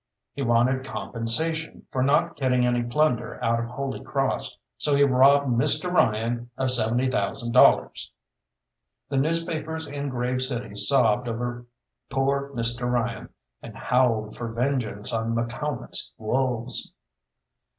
He wanted "compensation" for not getting any plunder out of Holy Cross, so he robbed Mr. Ryan of seventy thousand dollars. The newspapers in Grave City sobbed over poor Mr. Ryan, and howled for vengeance on McCalmont's wolves.